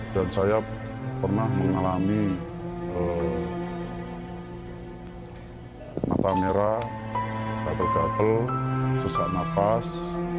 dan saya pernah mengalami mata merah gatal gatal sesak nafas